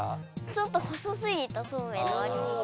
ちょっと細すぎたそうめんのわりに。